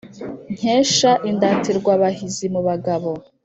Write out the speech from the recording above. Nkesha indatirwabahizi mu bagabo